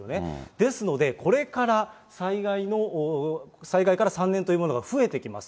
ですので、これから災害から３年というものが増えてきます。